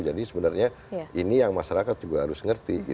jadi sebenarnya ini yang masyarakat juga harus ngerti